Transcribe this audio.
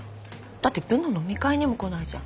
だって部の飲み会にも来ないじゃん。